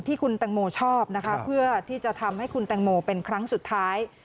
ที่คุณแตงโมชอบนะคะเพื่อที่จะทำให้คุณแตงโมเป็นครั้งสุดท้าย